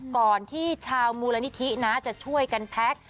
ก่อนที่ชาวมูลนิธินะจะช่วยกันแพ็ค